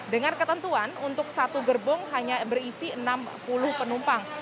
dengan ketentuan untuk satu gerbong hanya berisi enam puluh penumpang